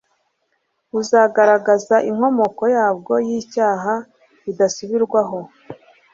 buzagaragaza inkomoko yabwo y'icyaha bidasubirwaho